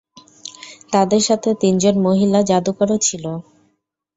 তাদের সাথে তিনজন মহিলা যাদুকরও ছিল।